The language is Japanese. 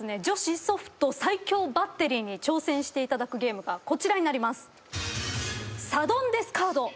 女子ソフト最強バッテリーに挑戦していただくゲームがこちらになります。